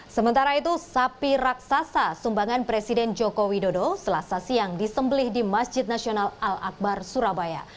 sementara itu sapi raksasa sumbangan presiden joko widodo selasa siang disembelih di masjid nasional al akbar surabaya